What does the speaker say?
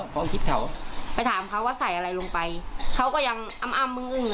เขาคิดเขาไปถามเขาว่าใส่อะไรลงไปเขาก็ยังอ้ำอ้ำมึงอึ้ง